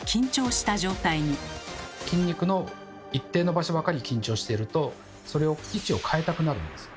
筋肉の一定の場所ばかり緊張しているとそれを位置を変えたくなるんです。